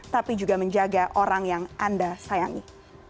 tapi juga menjaga orang yang anda sayangi